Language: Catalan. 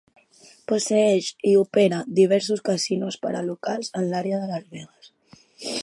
Posseeix i opera diversos casinos per a locals en l'àrea de Las Vegas.